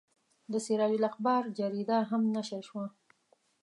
د سراج الاخبار جریده هم نشر شوه.